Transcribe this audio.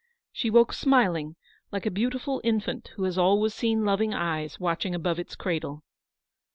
She woke smiling, like a beautiful infant who has always seen loving eyes watching above its cradle.